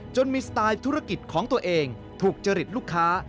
จนมีสไตล์ธุรกิจของตัวเองถูกจริตลูกค้า